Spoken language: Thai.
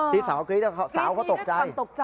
ที่สาวกรี๊ดสาวเขาตกใจ